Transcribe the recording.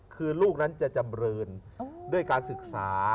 คือลูกนั้นจะจำเรินด้วยการศึกษา